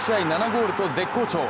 ７ゴールと絶好調。